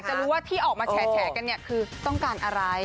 คืออยากจะรู้ว่าที่ออกมาแชร์กันเนี่ยคือต้องการอะไร